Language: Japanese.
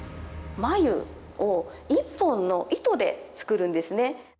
繭を一本の糸で作るんですね。